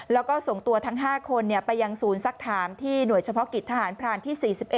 แล้วก็ส่งตัวทั้ง๕คนไปยังศูนย์สักถามที่หน่วยเฉพาะกิจทหารพรานที่๔๑